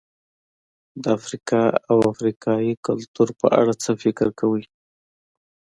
د افریقا او افریقایي کلتور په اړه څه فکر کوئ؟